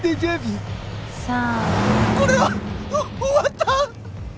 これはお終わった。